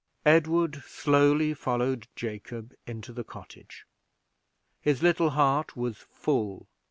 Edward slowly followed Jacob into the cottage. His little heart was full.